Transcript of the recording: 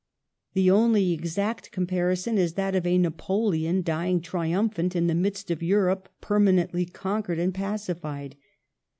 The only exact comparison is that of a Napoleon dying tri umphant in the midst of Europe permanently conquered and pacified.